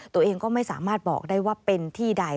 ตัวเองก็ไม่สามารถบอกได้ว่าเป็นที่ใด